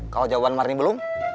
kalau jawaban marni belum